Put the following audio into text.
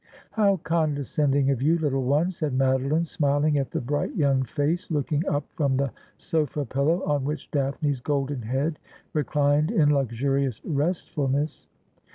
' How condescending of you. little one !' said Madeline, smil ing at the bright young face looking up from the sofa pillow, on which Daphne's golden head reclined in luxurious restfulness.